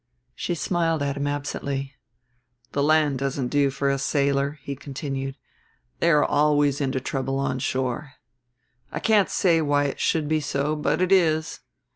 She smiled at him absently. "The land doesn't do for a sailor," he continued. "They are always into trouble on shore. I can't say why it should be so but it is.